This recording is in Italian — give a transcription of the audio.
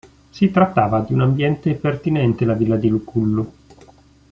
Si trattava di un ambiente pertinente la villa di Lucullo.